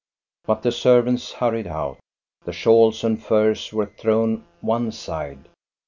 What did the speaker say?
But the servants hurried out, the shawls and furs were thrown one side.